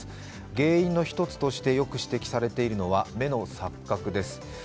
原因の一つとしてよく指摘されているのは目の錯覚です。